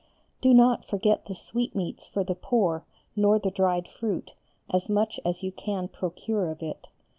Do not forget the sweetmeats for the poor nor the dried fruit, as much as you can procure of it.